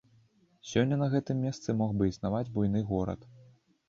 Сёння на гэтым месцы мог бы існаваць буйны горад.